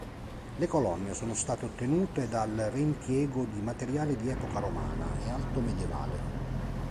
Le colonne sono state ottenute dal reimpiego di materiale di epoca romana e altomedievale.